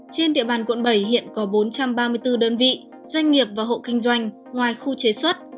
trên địa bàn quận bảy hiện có bốn trăm ba mươi bốn đơn vị doanh nghiệp và hộ kinh doanh ngoài khu chế xuất